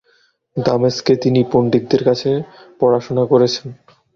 দামেস্কে তিনি পণ্ডিতদের কাছে পড়াশোনা করেছেন।